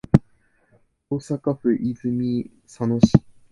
大阪府泉佐野市